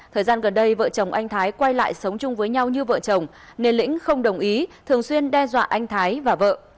thời gian gần đây vợ chồng anh thái quay lại sống chung với nhau như vợ chồng nên lĩnh không đồng ý thường xuyên đe dọa anh thái và vợ